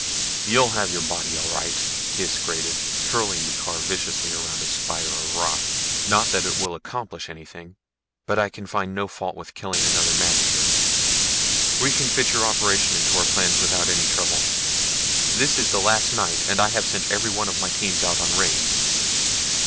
"You'll have your body all right," Hys grated, hurling the car viciously around a spire of rock. "Not that it will accomplish anything but I can find no fault with killing another magter. We can fit your operation into our plans without any trouble. This is the last night and I have sent every one of my teams out on raids.